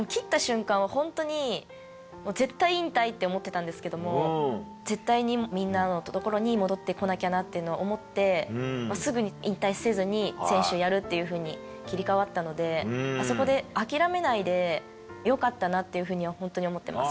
ホントに「絶対引退」って思ってたんですけども絶対にみんなのところに戻って来なきゃなっていうのを思ってすぐに引退せずに選手やるっていうふうに切り替わったのでそこで諦めないでよかったなっていうふうにはホントに思ってます